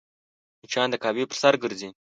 مچان د قهوې پر سر ګرځي